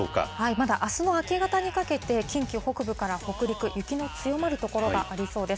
まだあすの明け方にかけて、近畿北部から北陸、雪の強まる所がありそうです。